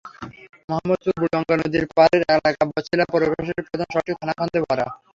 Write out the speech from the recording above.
মোহাম্মদপুরে বুড়িগঙ্গা নদীর পারের এলাকা বছিলায় প্রবেশের প্রধান সড়কটি খানাখন্দে ভরা।